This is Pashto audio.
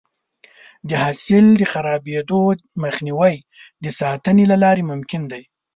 د حاصل د خرابېدو مخنیوی د ساتنې له لارې ممکن دی.